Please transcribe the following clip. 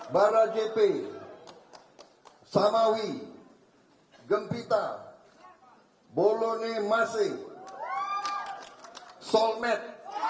barajepi samawi gempita bolone masih solmet